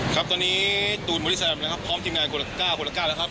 ครับตอนนี้ตูนบริษัทธิ์พร้อมทีมงานคนละก้า